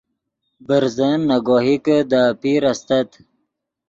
برزن نے گوہکے دے اپیر استت